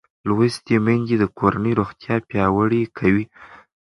لوستې میندې د کورنۍ روغتیا پیاوړې کوي